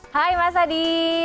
hai mas adi